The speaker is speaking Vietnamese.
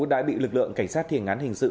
đã bị lực lượng cảnh sát thiền án hình sự